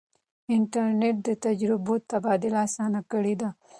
انټرنیټ د تجربو تبادله اسانه کړې ده.